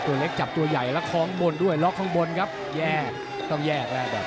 ตัวเล็กจับตัวใหญ่แล้วคล้องบนด้วยล็อกข้างบนครับแยกต้องแยกแล้ว